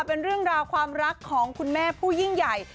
เป็นเรื่องราวความรักของคุณแม่ผู้ยิ่งใหญ่